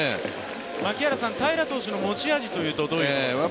平良投手の持ち味というとどういうところですか。